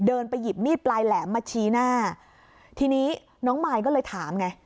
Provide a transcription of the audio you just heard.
ไปหยิบมีดปลายแหลมมาชี้หน้าทีนี้น้องมายก็เลยถามไง